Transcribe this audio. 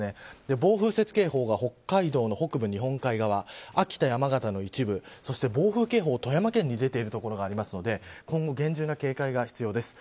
暴風雪警報は北海道の北部、日本海側秋田、山形の一部暴風警報は富山県に出ている所がありますので厳重な警戒が必要です。